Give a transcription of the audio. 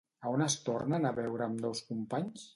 A on es tornen a veure ambdós companys?